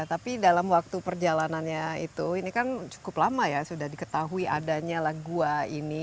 tapi dalam waktu perjalanannya itu ini kan cukup lama ya sudah diketahui adanya lah gua ini